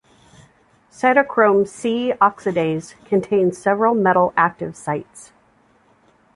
Cytochrome c oxidase contains several metal active sites.